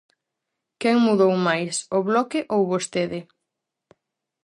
Quen mudou máis, o Bloque ou vostede?